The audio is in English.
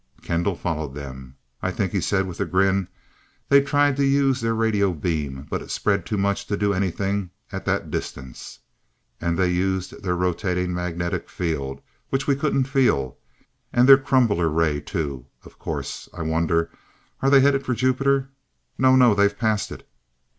Kendall followed them. "I think," he said with a grin, "they tried to use their radio beam, but it spread too much to do anything at that distance. And they used their rotating magnetic field, which we couldn't feel. And their crumbler ray too, of course. I wonder are they headed only for Jupiter? No no, they've passed it!"